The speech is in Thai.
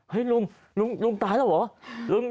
ลุงลุงตายแล้วเหรอ